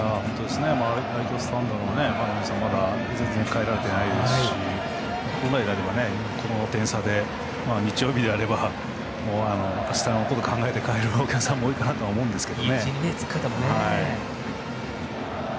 ライトスタンドのファンの皆さんぜんぜん帰られていないですし今であれば、この点差で日曜日であればあしたのことを考えて帰るお客さんも多いんですけど。